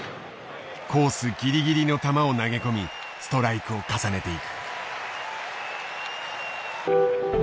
コースギリギリの球を投げ込みストライクを重ねていく。